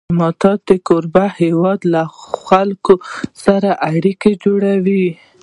ډيپلومات د کوربه هېواد له خلکو سره اړیکې جوړوي.